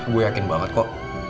gue yakin banget kok